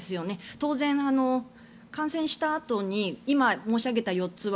当然、感染したあとに今申し上げた４つは